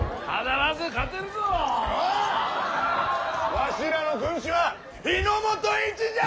わしらの軍師は日の本一じゃ！